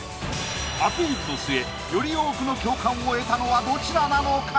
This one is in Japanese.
アピールの末より多くの共感を得たのはどちらなのか？